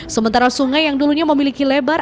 sementara sungai yang dulunya memiliki lebar